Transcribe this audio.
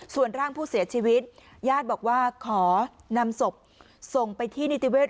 ส่วนร่างผู้เสียชีวิตญาติบอกว่าขอนำศพส่งไปที่นิติเวศ